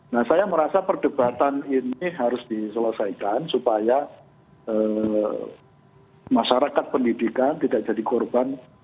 nah saya merasa perdebatan ini harus diselesaikan supaya masyarakat pendidikan tidak jadi korban